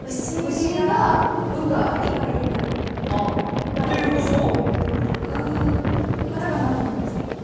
牛がうがいになるみたいなことかなと思いました。